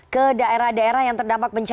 ke daerah daerah yang terdampak bencana